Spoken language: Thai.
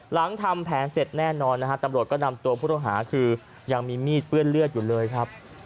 หลังทำแผนเสร็จแน่นอนนะฮะตำรวจก็นำตัวผู้ต้องหาคือยังมีมีดเปื้อนเลือดอยู่เลยครับ